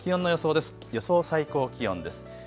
予想最高気温です。